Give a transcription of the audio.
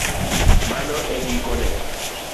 Mano e giko ne